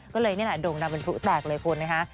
ก็เลยนี่แหละโด่งดังเป็นพลุแตกเลยคุณนะคะ